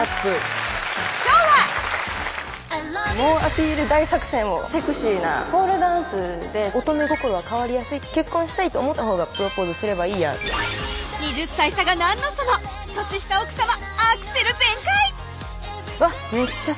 今日は猛アピール大作戦をセクシーなポールダンスで乙女心は変わりやすい結婚したいと思った方がプロポーズすればいいや２０歳差がなんのその年下奥さまアクセル全開！